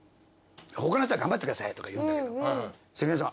他の人は頑張ってくださいとか言うんだけど関根さん。